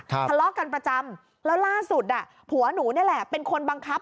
ทะเลาะกันประจำแล้วล่าสุดอ่ะผัวหนูนี่แหละเป็นคนบังคับ